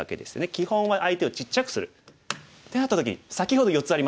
基本は相手をちっちゃくする。ってなった時に先ほど４つありましたよね。